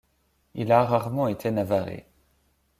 Il a rarement été navarrais.